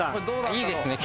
いいですね。